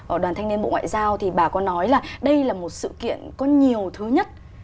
ở đoàn thanh niên bộ ngoại giao thì bà có nói là đây là một sự kiện có nhiều thứ nhất